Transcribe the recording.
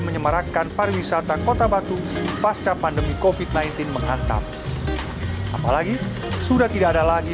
meragakan para wisata kota batu pasca pandemi covid sembilan belas menghantam apalagi sudah tidak ada lagi